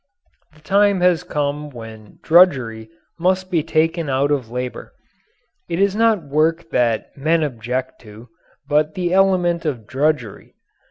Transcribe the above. The time has come when drudgery must be taken out of labour. It is not work that men object to, but the element of drudgery.